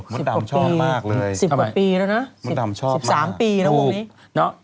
สิบกว่าปีแล้วนะสิบสามปีแล้ววงนี้สิบกว่าปีแล้วนะ